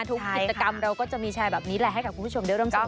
ทุกกิจกรรมเราก็จะมีแชร์แบบนี้แหละให้กับคุณผู้ชมได้เริ่มต้น